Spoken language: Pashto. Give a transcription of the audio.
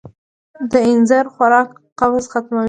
د اینځر خوراک قبض ختموي.